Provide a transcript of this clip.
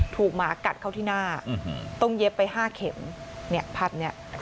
ถูกหมากัดเข้าที่หน้าต้องเย็บไป๕เข็มเนี่ยพัดเนี่ย